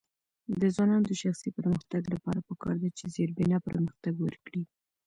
د ځوانانو د شخصي پرمختګ لپاره پکار ده چې زیربنا پرمختګ ورکړي.